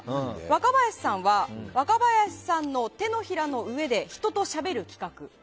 若林さんは若林さんの手のひらの上で人としゃべる企画。